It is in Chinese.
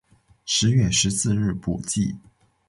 十月十四日补记。